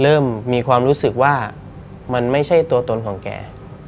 เริ่มมีความรู้สึกว่ามันไม่ใช่ตัวตนของแก